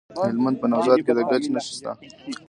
د هلمند په نوزاد کې د ګچ نښې شته.